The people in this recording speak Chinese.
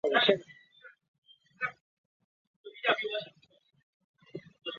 后被追认为革命烈士。